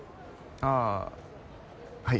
ああはい。